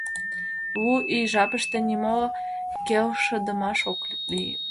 Лу ий жапыште нимо келшыдымаш ок лий.